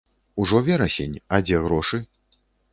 Ужо верасень, а дзе грошы?